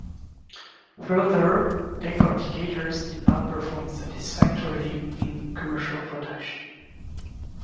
Further, decorticators did not perform satisfactorily in commercial production.